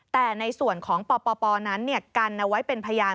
แต่ในส่วนของปปนั้นกันเอาไว้เป็นพยาน